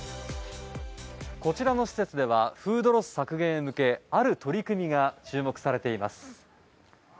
こちらの施設ではフードロス削減へ向けある取り組みが注目されています。